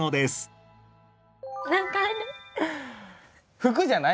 服じゃない？